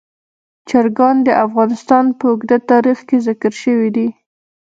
چرګان د افغانستان په اوږده تاریخ کې ذکر شوي دي.